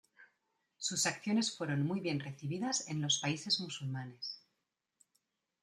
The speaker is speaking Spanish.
Sus acciones fueron muy bien recibidas en los países musulmanes.